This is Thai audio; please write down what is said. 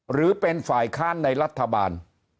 หรือเป็นฝ่ายค้านในรัฐบาล